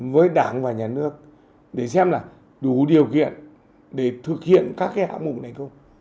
với đảng và nhà nước để xem là đủ điều kiện để thực hiện các cái hạ mụn này không